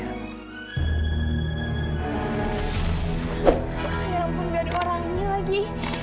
ya ampun gak ada orangnya lagi